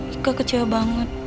ika kecewa banget